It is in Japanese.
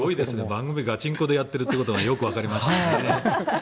番組、ガチンコでやっていることがよくわかりましたね。